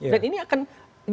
dan ini akan diperlukan